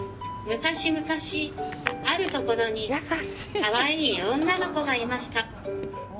昔々、あるところに可愛い女の子がいました。